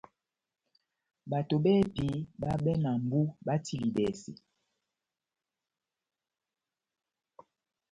Bato bɛ́hɛ́pi báhabɛ na mʼbú batilidɛse.